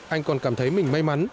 anh còn cảm thấy mình may mắn